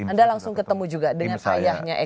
anda langsung ketemu juga dengan ayahnya